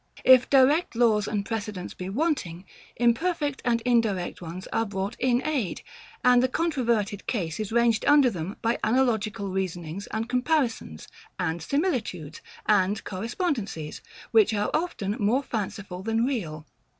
If direct laws and precedents be wanting, imperfect and indirect ones are brought in aid; and the controverted case is ranged under them by analogical reasonings and comparisons, and similitudes, and correspondencies, which are often more fanciful than real.